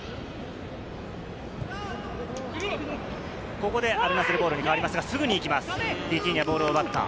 ここでアルナスルボールに変わりますが、すぐに奪いに行きます。